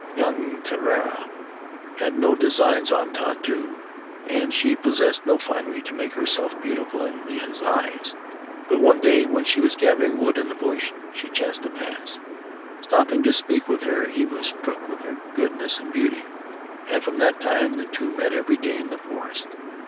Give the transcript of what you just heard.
Young Titiara had no designs on Tautu, and she possessed no finery to make herself beautiful in his eyes, but one day, when she was gathering wood in the bush, he chanced to pass. Stopping to speak with her, he was struck with her goodness and beauty, and from that time the two met every day in the forest.